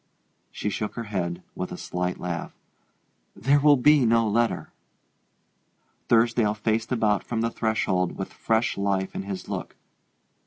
She shook her head with a slight laugh. "There will be no letter." Thursdale faced about from the threshold with fresh life in his look.